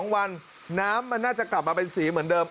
๒วันน้ำมันน่าจะกลับมาเป็นสีเหมือนเดิม